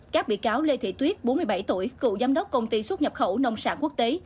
các bị cáo lê thị tuyết bốn mươi bảy tuổi cựu giám đốc công ty xuất nhập khẩu nông sản quốc tế